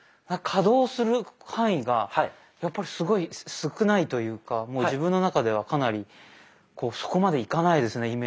可動する範囲がやっぱりすごい少ないというかもう自分の中ではかなりそこまでいかないですね